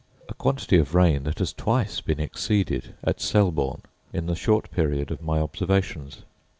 a quantity of rain that has twice been exceeded at Selborne in the short period of my observations.